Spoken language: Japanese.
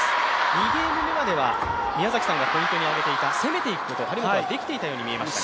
２ゲーム目までは、宮崎さんがポイントに挙げていた攻めていくこと、張本はできていたように見えましたが。